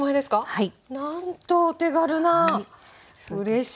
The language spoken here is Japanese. はい。